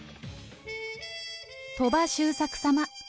鳥羽周作様。